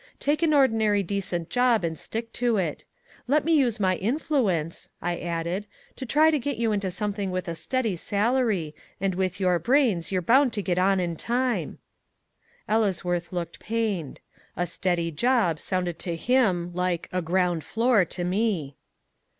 Take an ordinary decent job and stick to it. Let me use my influence," I added, "to try and get you into something with a steady salary, and with your brains you're bound to get on in time." Ellesworth looked pained. A "steady job" sounded to him like a "ground floor" to me.